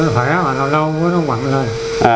thấy khỏe mà lâu lâu mới nó quặng lên